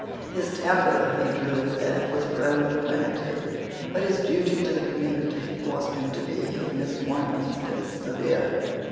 His temper, he truly said, was prone to lenity; but his duty to he community forced him to be, in this one instance, severe.